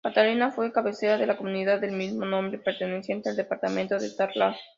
Catalina fue cabecera de la comuna del mismo nombre, perteneciente al Departamento de Taltal.